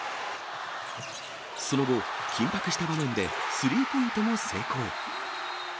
その後、緊迫した場面で、スリーポイントも成功。